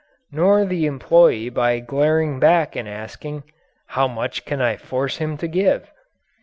Nor the employee by glaring back and asking, "How much can I force him to give?"